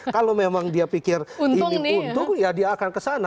kalau memang dia pikir ini untung ya dia akan kesana